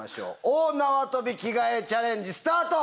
大縄跳び着替えチャレンジスタート！